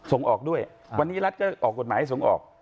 ส่งออกด้วยวันนี้รัฐก็ออกกฎหมายส่งออก